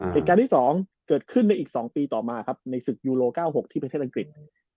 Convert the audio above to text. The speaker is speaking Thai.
เหตุการณ์ที่๒เกิดขึ้นในอีก๒ปีต่อมาครับในศึกยูโล๙๖ที่ประเทศอังกฤษ